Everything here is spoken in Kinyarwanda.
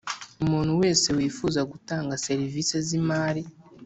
Umuntu wese wifuza gutanga serivisi z imari